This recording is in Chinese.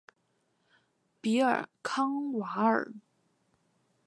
比尔康瓦尔。